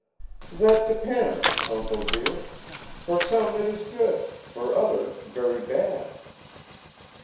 "That depends, uncle dear. For some it is good, for others very bad."